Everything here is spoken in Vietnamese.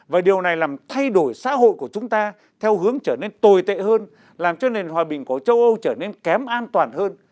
và điều này làm thay đổi xã hội của chúng ta theo hướng trở nên tồi tệ hơn làm cho nền hòa bình của châu âu trở nên kém an toàn hơn